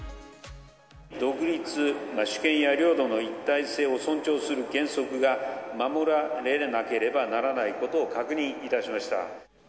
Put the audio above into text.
独立・主権や領土の一体性を尊重する原則が守られなければならないことを確認いたしました。